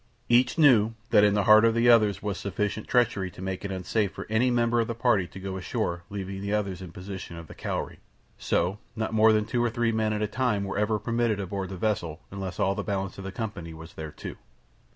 Each knew that in the heart of the others was sufficient treachery to make it unsafe for any member of the party to go ashore leaving the others in possession of the Cowrie, so not more than two or three men at a time were ever permitted aboard the vessel unless all the balance of the company was there too.